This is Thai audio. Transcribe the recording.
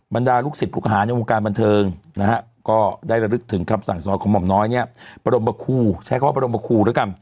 บรรดารุกศิษฐ์ลูกหาในวงการบันเทิงได้ระลึกถึงคำสั่งสอนของหม่อมน้อยประดมบคูร์